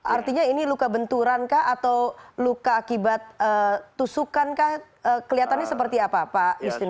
artinya ini luka benturan kah atau luka akibat tusukan kah kelihatannya seperti apa pak justinus